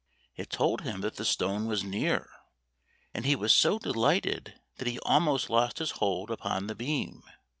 It told him that the stone was near, and he was so de lighted that he almost lost his hold upon the beam.